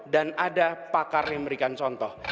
dan ada pakar yang memberikan contoh